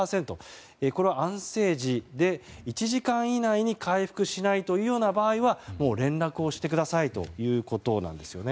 これは安静時で１時間以内に回復しないという場合にはもう連絡をしてくださいということです。